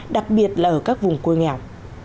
đặc biệt là ở các vùng quê nghèo